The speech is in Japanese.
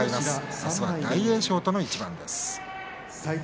明日は大栄翔との一番です。